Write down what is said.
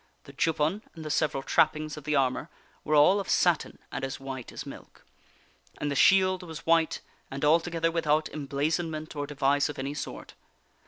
The juppon and the several trappings of the armor were all of satin and as white as milk. And the shield was white, and altogether without emblazonment or device of any sort.